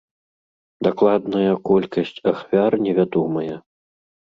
Дакладная колькасць ахвяр невядомая.